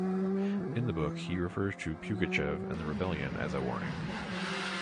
In the book, he refers to Pugachev and the rebellion as a warning.